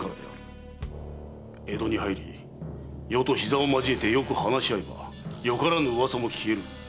〔江戸に入り余と膝を交えてよく話し合えばよからぬ噂も消える〕